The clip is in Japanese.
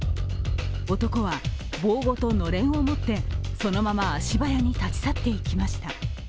男は棒ごとのれんを持ってそのまま足早に立ち去っていきました。